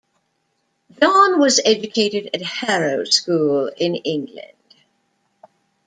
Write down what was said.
John was educated at Harrow School in England.